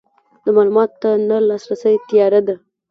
معلوماتو ته نه لاسرسی تیاره ده.